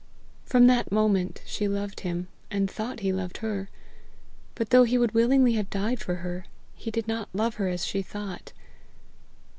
From that moment she loved him, and thought he loved her. But, though he would willingly have died for her, he did not love her as she thought.